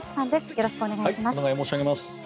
よろしくお願いします。